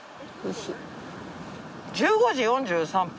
１５時４３分。